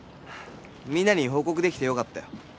みんなに報告できてよかったよ。